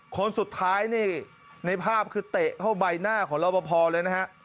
คนสุดท้ายนี่ในภาพคือเตะเข้าใบหน้าของรอบพอเลยนะฮะ